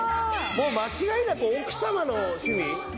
もう間違いなく奥様の趣味じゃない？